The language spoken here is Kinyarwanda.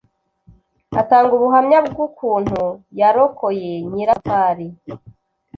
Atanga ubuhamya bw’ukuntu yarokoye Nyirasafari